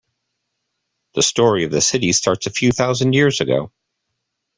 The story of the city starts a few thousand years ago.